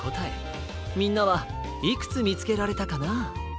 みんなはいくつみつけられたかな？